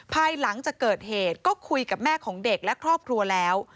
ภายหลังจากเกิดเหตุก็คุยกับแม่ของเด็กและครอบครัวแล้ว